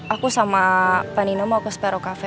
aku sama panino mau ke sparrow cafe